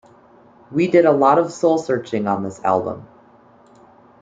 We did a lot of soul searching on this album.